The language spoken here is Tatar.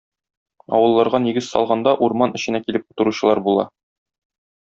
Авылларга нигез салганда урман эченә килеп утыручылар була.